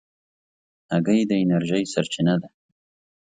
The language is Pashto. هګۍ د انرژۍ سرچینه ده.